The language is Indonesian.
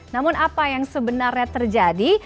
namun apa yang sebenarnya terjadi